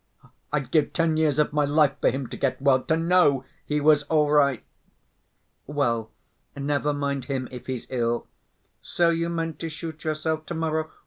I'd give ten years of my life for him to get well, to know he was all right!" "Well, never mind him, if he's ill. So you meant to shoot yourself to‐ morrow!